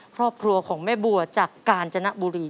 ครอบครัวของแม่บัวจากกาญจนบุรี